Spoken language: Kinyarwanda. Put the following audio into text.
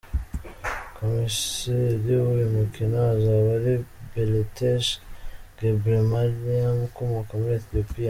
Komiseri w’uyu mukino azaba ari Beletesh Gebremariam ukomoka muri Ethiopia.